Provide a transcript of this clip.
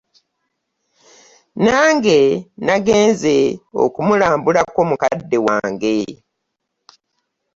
Nange nagenze okumulambulako mukadde wange .